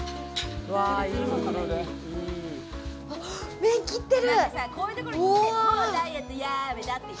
麺、切ってる！